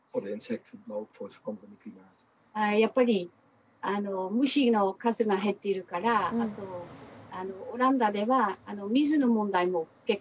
やっぱり虫の数が減っているからあとオランダでは水の問題も結構ありますね。